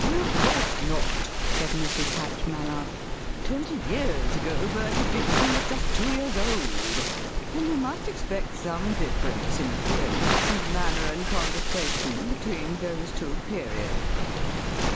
"Of course not," said Mrs. Hatch Mallard; "twenty years ago Bertie Dykson was just two years old, and you must expect some difference in appearance and manner and conversation between those two periods."